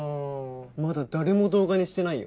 まだ誰も動画にしてないよ。